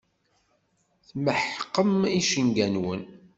Tmeḥqem icenga-nwen.